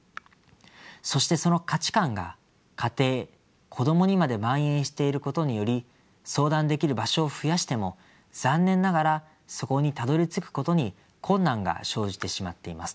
そしてその価値観が家庭子どもにまでまん延していることにより相談できる場所を増やしても残念ながらそこにたどりつくことに困難が生じてしまっています。